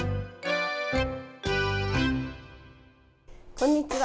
こんにちは。